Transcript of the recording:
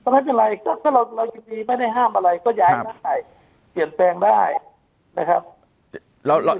ไม่เป็นไรถ้าเรายังไม่ได้ห้ามอะไรก็ย้ายให้เปลี่ยนแปลงได้นะครับ